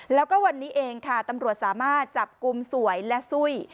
แล้วก็วันนี้เองค่ะตำรวจสามารถจับกลุ่มสวยและซุ้ย